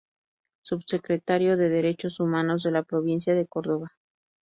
Subsecretario de Derechos Humanos de la Provincia de Córdoba.